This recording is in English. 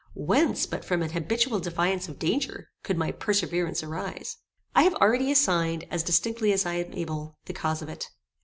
Whence, but from an habitual defiance of danger, could my perseverance arise? I have already assigned, as distinctly as I am able, the cause of it.